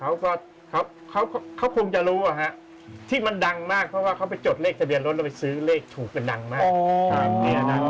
เขาก็เขาคงจะรู้ที่มันดังมากเพราะว่าเขาไปจดเลขทะเบียนรถแล้วไปซื้อเลขถูกกันดังมาก